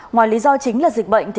ngoài lý do chính là dịch bệnh